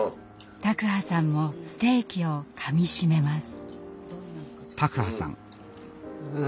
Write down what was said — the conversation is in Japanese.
卓巴さんもステーキをかみしめます。